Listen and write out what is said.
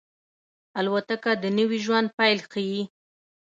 الوتکه د نوي ژوند پیل ښيي.